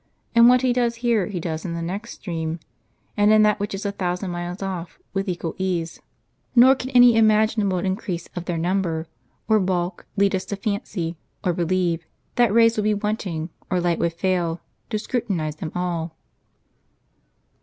And what he does here he does in the next stream, and in that which is a thousand miles off, with equal ease; nor can any imaginable increase of their number, or bulk, lead us to fancy, or believe, that rays would be wanting, or light would fail, to scrutinize them all."